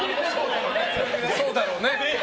そうだろうね。